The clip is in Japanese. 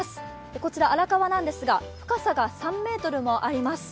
こちら荒川なんですが、深さが３ｍもあります。